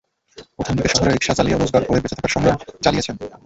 প্রথম দিকে শহরে রিকশা চালিয়ে রোজগার করে বেঁচে থাকার সংগ্রাম চালিয়েছেন।